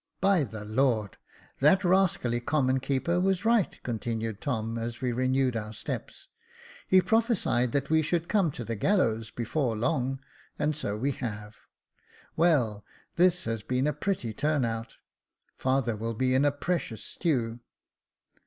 " By the Lord, that rascally common keeper was right," continued Tom, as we renewed our steps ;" he pro phesied we should come to the gallows before long, and so we have. Well, this has been a pretty turn out. Father will be in a precious stew."